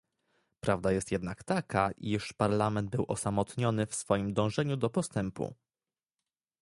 Prawda jest jednak taka, iż Parlament był osamotniony w swoim dążeniu do postępu